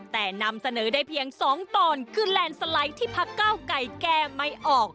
แต่นำเสนอได้เพียง๒ตอนคือแลนด์สไลด์ที่พักเก้าไก่แก้ไม่ออก